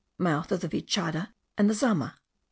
MOUTH OF THE VICHADA AND THE ZAMA.